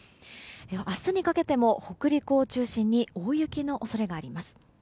明日にかけても、北陸を中心に大雪の恐れがあります。